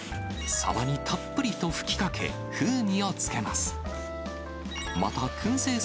サバにたっぷりと吹きかけ、風味をつけます。